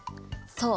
そう。